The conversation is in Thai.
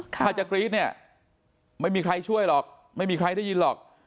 ถ้าจะกรี๊ดเนี่ยไม่มีใครช่วยหรอกไม่มีใครได้ยินหรอก